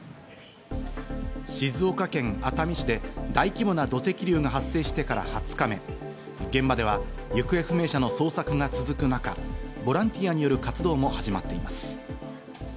静岡県熱海市で大規模な土石流が発生してから２０日目、現場では行方不明者の捜索が続く中、ボランティアによる活動も始まっています。